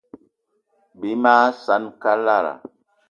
Bí mag saan kalara.